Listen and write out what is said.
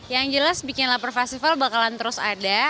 yang jelas bikin lapar festival bakalan terus ada